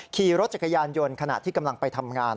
ขี่รถจักรยานยนต์ขณะที่กำลังไปทำงาน